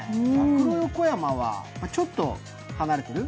馬喰横山はちょっと離れてる？